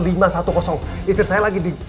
istri saya lagi di